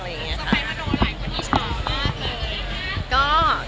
แล้วใครมาโดนหลายคนดิฉามากเลย